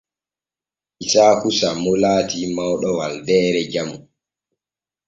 Isaaku sammo laati mawɗo waldeere jamu.